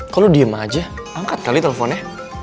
kok lo diem aja angkat kali telfonnya